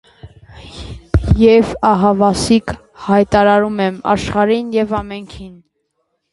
Եվ ահավասիկ հայտարարում եմ աշխարհին և ամենքին.